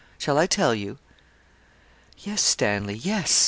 Shall I tell you?' 'Yes, Stanley yes.